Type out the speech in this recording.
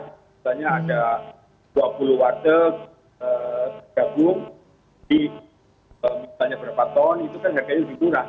misalnya ada dua puluh waduk tergabung di misalnya berapa ton itu kan harganya lebih murah